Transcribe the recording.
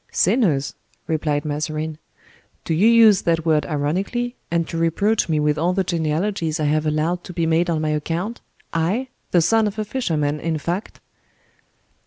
"Sinners?" replied Mazarin. "Do you use that word ironically, and to reproach me with all the genealogies I have allowed to be made on my account—I—the son of a fisherman, in fact?"